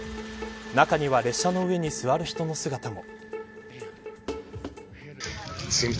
中には列車の上に座る人の姿も。